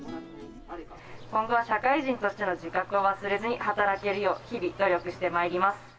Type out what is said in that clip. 今後は社会人としての自覚を忘れずに働けるよう日々、努力してまいります。